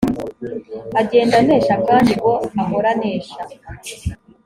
agenda anesha kandi ngo ahore anesha